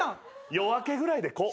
「夜明け」ぐらいでこう。